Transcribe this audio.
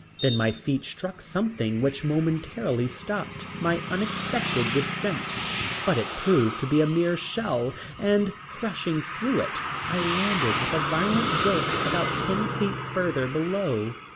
Then my feet struck something which momentarily stopped my unexpected descent, but it proved to be a mere shell, and crashing through it I landed with a violent jolt about ten feet further below.